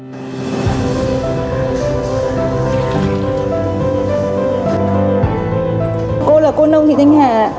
cô là cô nông thị thanh hà ạ